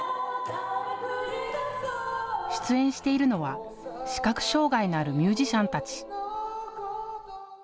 出演しているのは視覚障害のあるミュージシャンたち。